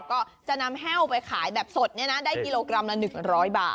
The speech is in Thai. ก็จะนำแห้วไปขายแบบสดเนี่ยนะได้กิโลกรัมละหนึ่งร้อยบาท